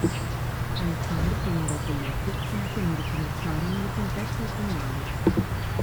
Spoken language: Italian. Alessandro prolungò i colloqui fino a che non ricominciarono le tempeste autunnali.